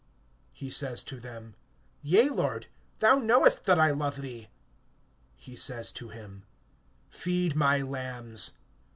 He says to him: Yea, Lord; thou knowest that I love thee. He says to him: Feed my lambs.